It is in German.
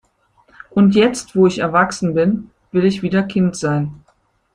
Und jetzt, wo ich erwachsen bin, will ich wieder Kind sein.